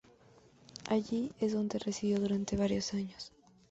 Allí es donde residió durante varios años.